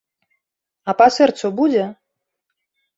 А па сэрцу будзе?